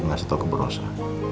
ngasih tau ke bu rossa